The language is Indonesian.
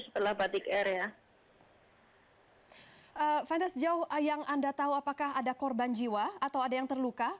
fantas sejauh yang anda tahu apakah ada korban jiwa atau ada yang terluka